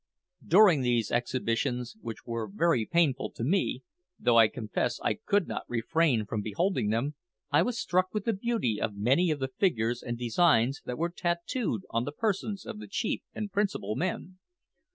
During these exhibitions, which were very painful to me, though I confess I could not refrain from beholding them, I was struck with the beauty of many of the figures and designs that were tattooed on the persons of the chiefs and principal men.